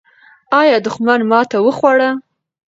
آیا دښمن ماته وخوړه؟